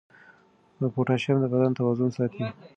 پوټاشیم د بدن توازن ساتي.